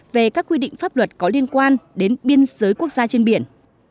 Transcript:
về các quy định pháp luật có liên quan đến biên giới quốc gia trên biển